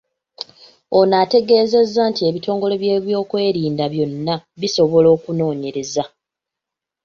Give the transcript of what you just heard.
Ono ategeezezza nti ebitongole by’ebyokwerinda byonna bisobola okunoonyereza.